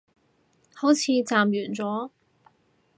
好似暫完咗